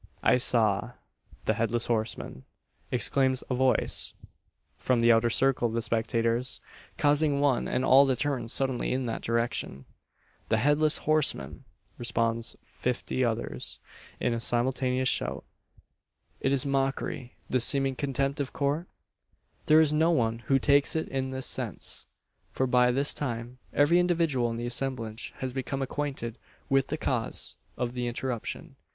"I saw " "The Headless Horseman!" exclaims a voice from the outer circle of the spectators, causing one and all to turn suddenly in that direction. "The Headless Horseman!" respond fifty others, in a simultaneous shout. Is it mockery, this seeming contempt of court? There is no one who takes it in this sense; for by this time every individual in the assemblage has become acquainted with the cause of the interruption.